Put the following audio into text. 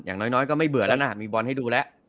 อย่างน้อยก็ไม่เบื่อแล้วนะมีบอลให้ดูแล้ว